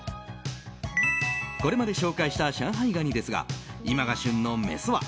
これまで紹介した上海ガニですが今が旬のメスは